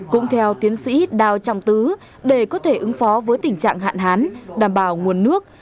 cũng theo tiến sĩ đào trọng tứ để có thể ứng phó với tình trạng hạn hán đảm bảo nguồn nước